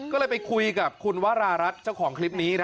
ก็เลยไปคุยกับคุณวรารัฐเจ้าของคลิปนี้